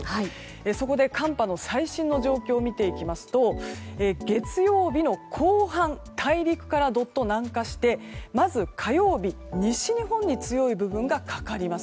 そこで、寒波の最新の状況を見ていきますと月曜日の後半大陸からどっと南下してまず火曜日、西日本に強い部分がかかります。